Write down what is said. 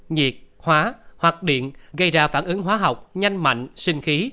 nhiệt hóa hoặc điện gây ra phản ứng hóa học nhanh mạnh sinh khí